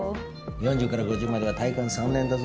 ４０から５０までは体感３年だぞ。